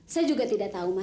saya juga tidak tahu mas